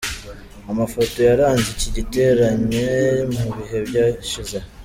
Amafoto yaranze iki giteranye mu bihe byashize.